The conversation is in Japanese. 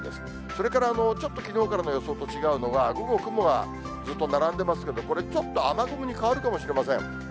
それから、ちょっときのうからの予想と違うのが、ほぼ雲はずっと並んでますけど、これ、ちょっと雨雲に変わるかもしれません。